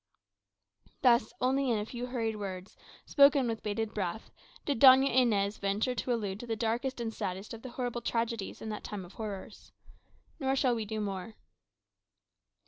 _ Thus, only in a few hurried words, spoken with 'bated breath, did Doña Inez venture to allude to the darkest and saddest of the horrible tragedies in that time of horrors. Nor shall we do more.